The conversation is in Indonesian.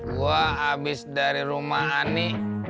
gua abis dari rumah ani